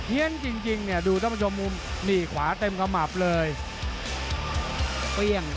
เหี้ยนจริงดูท่านผู้ชมมุมดูภาพติดต้นนี่ขวาเต็มข้อมับเลย